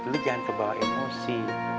lo jangan kebawa emosi